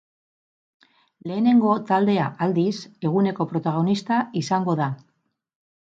Lehenengo taldea, aldiz, eguneko protagonista izango da.